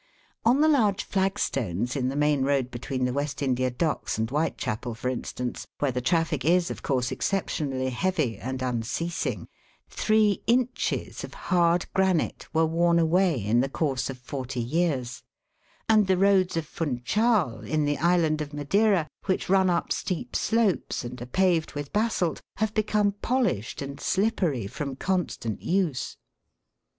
On the large flagstones in the main road between the West India Docks and Whitechapel, for instance, where the traffic is, of course, exceptionally heavy and unceasing, three inches of hard granite were worn away in the course of forty years; and the roads of Funchal, in the island of Madeira, which run up steep slopes and are paved with basalt, have become polished and slippery from constant use.